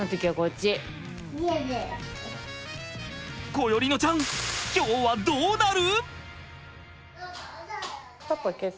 心縁乃ちゃん今日はどうなる！？